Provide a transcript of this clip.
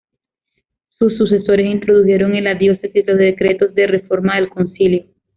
Sus sucesores introdujeron en la diócesis los decretos de reforma del concilio.